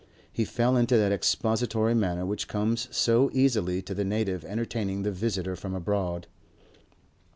He fell into that expository manner which comes so easily to the native entertaining the visitor from abroad.